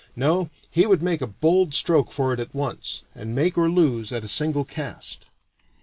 No, he would make a bold stroke for it at once, and make or lose at a single cast.